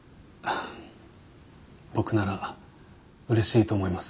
僕なら嬉しいと思います。